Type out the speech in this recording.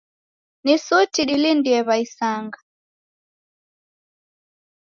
Ni suti dilindie w'aisanga.